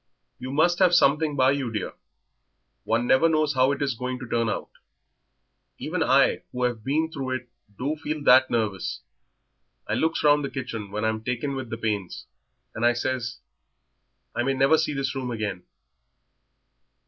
"You must have something by you, dear; one never knows how it is going to turn out; even I who have been through it do feel that nervous. I looks round the kitchen when I'm taken with the pains, and I says, 'I may never see this room again.'"